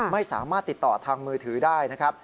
ไม่สามารถติดต่อทางมือถือได้นะครับ